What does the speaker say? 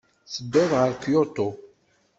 Ttedduɣ ɣer Kyoto.